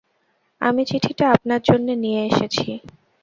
আমি চিঠিটা আপনার জন্যে নিয়ে এসেছি।